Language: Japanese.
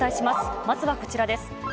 まずはこちらです。